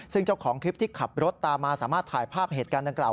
ซึ่งเจ้าของคลิปที่ขับรถตามมาสามารถถ่ายภาพเหตุการณ์ดังกล่าว